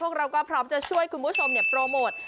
พวกเราก็พร้อมจะช่วยคุณผู้ชมเนี่ยโปรโมท